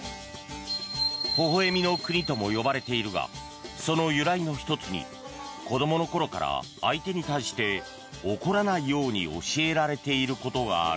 ほほ笑みの国とも呼ばれているがその由来の１つに子どもの頃から相手に対して怒らないように教えられていることがある。